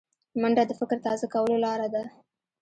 منډه د فکر تازه کولو لاره ده